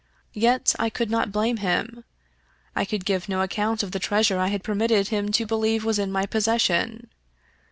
Yet I could not blame him. I could give no account of the treasure I had permitted him to believe was in my pos session.